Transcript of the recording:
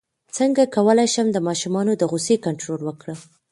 څنګه کولی شم د ماشومانو د غوسې کنټرول وکړم